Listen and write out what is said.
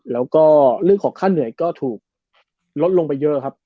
แล้วก็เรื่องของค่าเหนื่อยก็ถูกลดลงไปเยอะครับ